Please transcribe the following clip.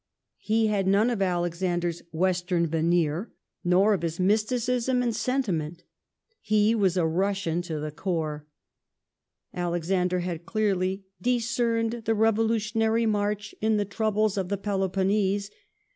He had none of Alexander s Western veneer, nor of his mysticism and sentiment ; he was a Russian to the core. Alexander had clearly " discerned the revolutionary march in the troubles of the Peloponese